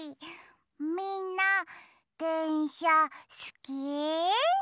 みんなでんしゃすき？